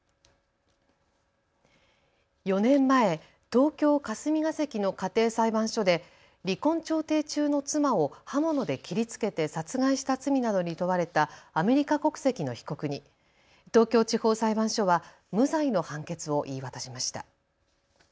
４年前、東京霞が関の家庭裁判所で離婚調停中の妻を刃物で切りつけて殺害した罪などに問われたアメリカ国籍の被告に東京地方裁判所は無罪の判決を言い渡しました。